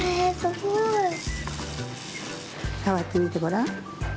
さわってみてごらん。